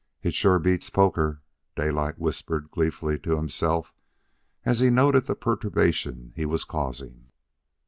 "It sure beats poker," Daylight whispered gleefully to himself, as he noted the perturbation he was causing.